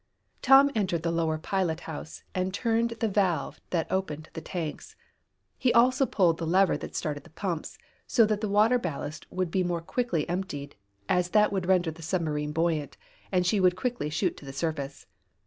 Tom entered the lower pilot house, and turned the valve that opened the tanks. He also pulled the lever that started the pumps, so that the water ballast would be more quickly emptied, as that would render the submarine buoyant, and she would quickly shoot to the surface.